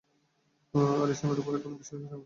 আরিশেমের উপর এখনো বিশ্বাস আছে আমার।